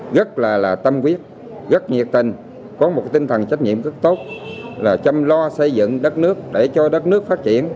rất là tâm quyết rất nhiệt tình có một tinh thần trách nhiệm rất tốt là chăm lo xây dựng đất nước để cho đất nước phát triển